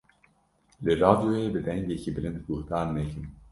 Li radyoyê bi dengekî bilind guhdar nekin.